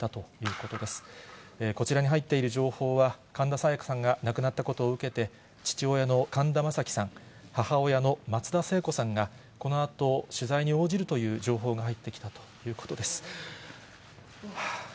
こちらに入っている情報は、神田沙也加さんが亡くなったことを受けて、父親の神田正輝さん、母親の松田聖子さんが、このあと取材に応じるという情報が入ってきたということです。